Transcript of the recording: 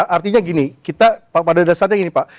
artinya gini kita pada dasarnya gini pak